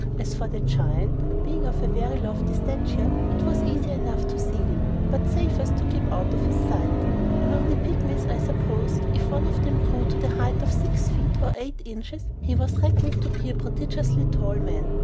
As for the Giant, being of a very lofty stature, it was easy enough to see him, but safest to keep out of his sight. Among the Pygmies, I suppose, if one of them grew to the height of six or eight inches, he was reckoned a prodigiously tall man.